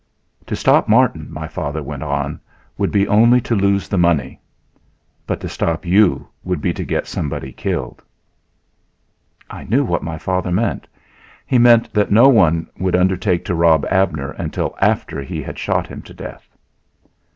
"To stop Martin," my father went on, "would be only to lose the money; but to stop you would be to get somebody killed." I knew what my father meant. He meant that no one would undertake to rob Abner until after he had shot him to death.